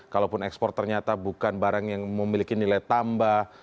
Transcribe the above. kalaupun ekspor ternyata bukan barang yang memiliki nilai tambah